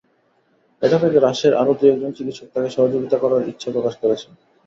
এটা দেখে রাজশাহীর আরও দু-একজন চিকিৎসক তাঁকে সহযোগিতা করার ইচ্ছা প্রকাশ করেছেন।